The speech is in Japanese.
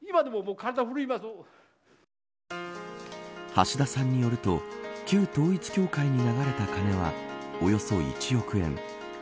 橋田さんによると旧統一教会に流れた金はおよそ１億円。